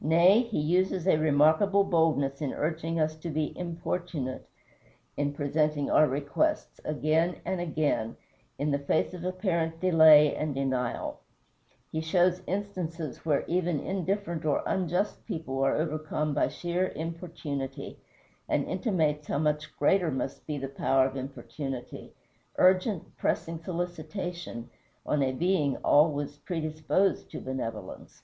Nay, he uses a remarkable boldness in urging us to be importunate in presenting our requests, again and again, in the face of apparent delay and denial. He shows instances where even indifferent or unjust people are overcome by sheer importunity, and intimates how much greater must be the power of importunity urgent, pressing solicitation on a Being always predisposed to benevolence.